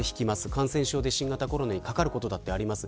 感染症で新型コロナにかかることだってあります。